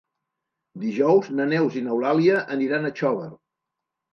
Dijous na Neus i n'Eulàlia aniran a Xóvar.